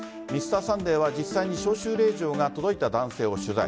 「Ｍｒ．サンデー」は実際に招集令状が届いた男性を取材。